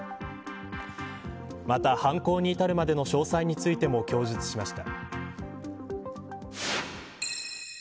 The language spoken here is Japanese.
また、犯行に至るまでの詳細についても供述しました。